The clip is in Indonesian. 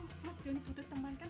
mas johnny butuh temankan